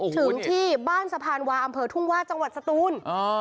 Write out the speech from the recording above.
ถึงที่บ้านสะพานวาอำเภอทุ่งวาดจังหวัดสตูน